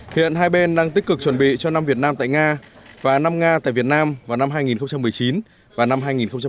hiện hai bên đang tích cực chuẩn bị cho năm việt nam tại nga và năm nga tại việt nam vào năm hai nghìn một mươi chín và năm hai nghìn hai mươi